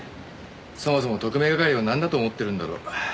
そもそも特命係をなんだと思ってるんだろう。